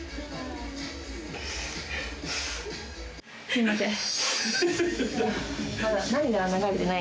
すいません。